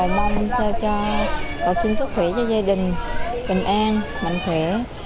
mong xin sức khỏe cho gia đình bình an mạnh khỏe